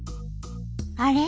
あれ？